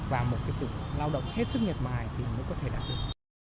và một cái sự lao động hết sức nhật mài thì mới có thể đạt được